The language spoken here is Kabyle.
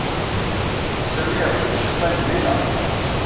Sami yeṛjem aciṭan deg Mina.